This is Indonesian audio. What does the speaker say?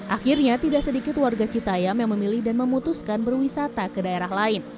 akhirnya tidak sedikit warga citayam yang memilih dan memutuskan berwisata ke daerah lain